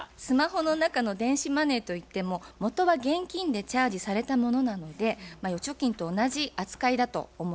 スマホの中の電子マネーといってももとは現金でチャージされたものなので預貯金と同じ扱いだと思います。